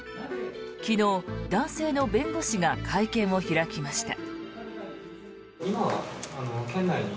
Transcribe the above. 昨日、男性の弁護士が会見を開きました。